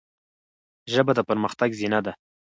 ژبه د پرمختګ زینه ده.